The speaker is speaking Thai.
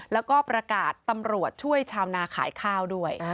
แล้วก็ประกาศตำรวจช่วยชาวนาขายข้าวด้วย